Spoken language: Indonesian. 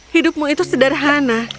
hidupmu itu sederhana